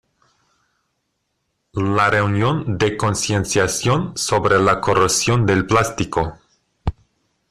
La reunión de concienciación sobre la corrosión del plástico...